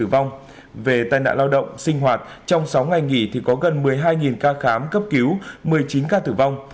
tử vong về tai nạn lao động sinh hoạt trong sáu ngày nghỉ thì có gần một mươi hai ca khám cấp cứu một mươi chín ca tử vong